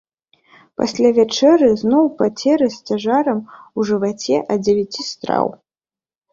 Пасля вячэры зноў пацеры з цяжарам у жываце ад дзевяці страў.